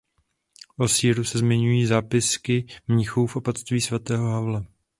O sýru se zmiňují zápisky mnichů z Opatství svatého Havla.